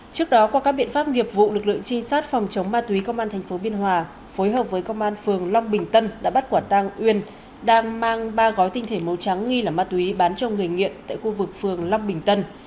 trước đó qua các biện pháp nghiệp vụ lực lượng chi sát phòng chống ma túy công an tp biên hòa phối hợp với công an phường long bình tân đã bắt quả tang uyên đang mang ba gói tinh thể màu trắng nghi là ma túy bán cho người nghiện tại khu vực phường long bình tân